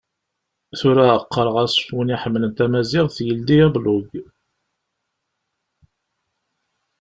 Tura qqareɣ-as:Win iḥemmlen tamaziɣt yeldi ablug.